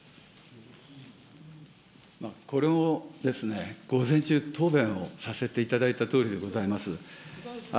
これも午前中、答弁をさせていただいたとおりでございます。